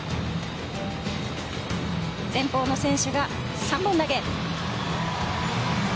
前方の選手が３本投げ。